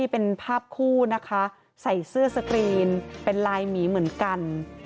เป็นภาพคู่นะคะใส่เสื้อสกรีนเป็นลายหมีเหมือนกัน